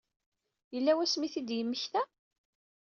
Yella wasmi i t-id-yemmekta?